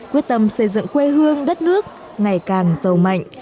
quyết tâm xây dựng quê hương đất nước ngày càng giàu mạnh